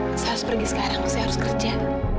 saya harus pergi sekarang saya harus kerja